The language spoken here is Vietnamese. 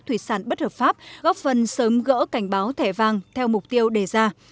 thủy sản bất hợp pháp góp phần sớm gỡ cảnh báo thẻ vàng theo mục tiêu đề ra